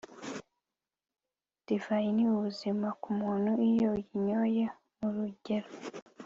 divayi ni ubuzima ku muntu iyo uyinyoye mu rugero